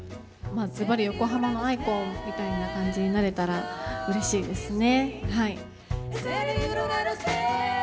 ずばり横浜のアイコンみたいな感じになれたらうれしいですね。